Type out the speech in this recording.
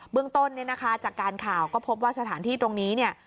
เรื่องต้นเนี่ยนะคะจากการข่าวก็พบว่าสถานที่ตรงนี้เนี่ย